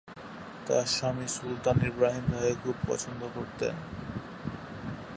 তার স্বামী Sultan Ibrahim তাকে খুব পছন্দ করতেন।